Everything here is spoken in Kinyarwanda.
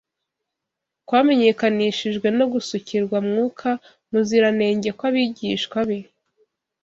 kwamenyekanishijwe no gusukirwa Mwuka Muziranenge kw’abigishwa be.